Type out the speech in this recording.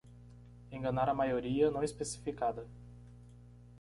Enganar a maioria não especificada